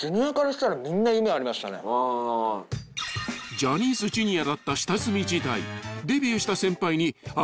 ［ジャニーズＪｒ．だった下積み時代］